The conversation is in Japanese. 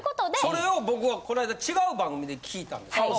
それを僕はこないだ違う番組で聞いたんですけど。